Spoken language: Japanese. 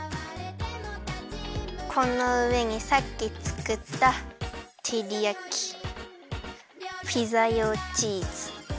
このうえにさっきつくったてりやきピザ用チーズ。